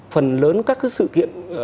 phần lớn các sự kiện